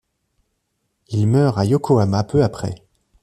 Il meurt à Yokohama peu après.